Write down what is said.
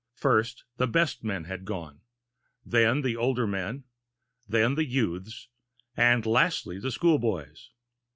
First the best men had gone, then the older men, then the youths, and lastly the school boys.